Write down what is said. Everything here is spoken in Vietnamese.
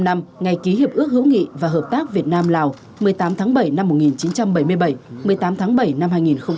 bảy mươi năm năm ngày ký hiệp ước hữu nghị và hợp tác việt nam lào một mươi tám tháng bảy năm một nghìn chín trăm bảy mươi bảy một mươi tám tháng bảy năm hai nghìn một mươi chín